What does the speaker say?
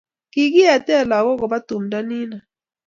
Kikiete lagok kuba tumdo nino